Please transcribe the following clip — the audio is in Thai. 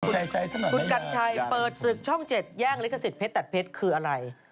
อเจมส์ใช่ถนนนี้คุณกันชายเปิดศึกช่อง๗แย้งลิขสิทธิ์เพชรตัดเพชรคืออะไร